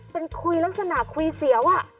เป็นคุยลักษณะคุยเสียว